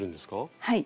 はい。